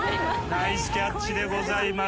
ナイスキャッチでございます。